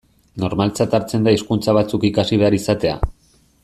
Normaltzat hartzen da hizkuntza batzuk ikasi behar izatea.